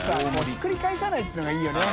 發Δひっくり返さないってのがいいよね。